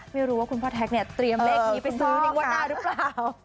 ไม่รู้ว่าคุณพ่อแท็กเนี่ยเตรียมเลขนี้ไปซื้อในงวดหน้าหรือเปล่า